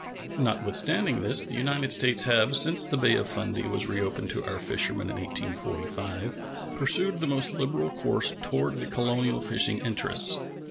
Notwithstanding this, the United States have, since the Bay of Fundy was reopened to our fishermen in 1845, pursued the most liberal course toward the colonial fishing interests.